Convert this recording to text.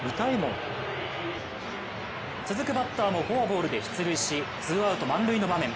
続くバッターもフォアボールで出塁し、満塁の場面。